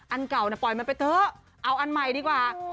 อันเก่าปล่อยมันไปเถอะเอาอันใหม่ดีกว่า